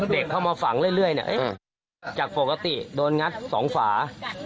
เด็กเข้ามาฝังเรื่อยเรื่อยเนี้ยจากปกติโดนงัดสองฝา